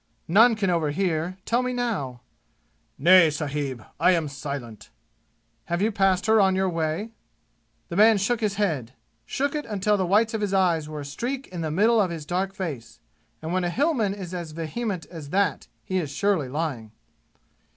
"None can overhear. Tell me now." "Nay, sahib! I am silent!" "Have you passed her on your way?" The man shook his head shook it until the whites of his eyes were a streak in the middle of his dark face; and when a Hillman is as vehement as that he is surely lying.